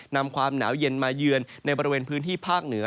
นำความหนาวเย็นมาเยือนในบริเวณพื้นที่ภาคเหนือ